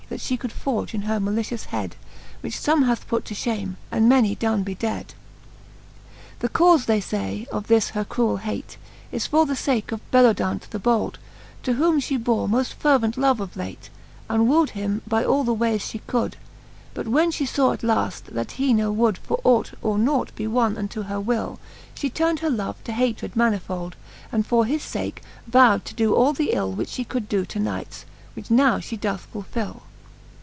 That fhe could forge in her malicious head. Which fome hath put to fhame, and many done be dead. XXX. The Canto IV. the Faerie ^eene, 59 XXX. The caufe, they fay, of this her cruell hate Is for the fake of Bellodant the bold, To whom fhe bore moft fervent love of late, And woed him by all the wayes fhe could: But when flie faw at laft, that he ne would For ought or nought be wonne unto her will, She turn'd her love to hatred manifold. And for his fake vow'd to doe all the ill, Which fhe could doe to knights, which now fhe doth fulfill.